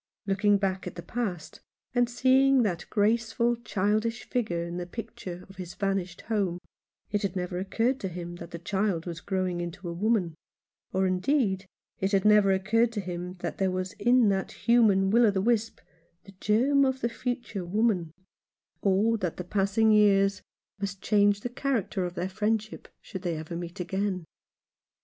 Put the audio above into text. Looking back at the past, and see ing that graceful childish figure in the picture of his vanished home, it had never occurred to him that the child was growing into a woman — or, indeed, it had never occurred to him that there was in that human Will o' the wisp the germ of the future woman ; or that the passing years must 55 Rough Justice. change the character of their friendship should they ever meet again.